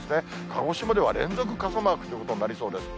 鹿児島では連続傘マークということになりそうです。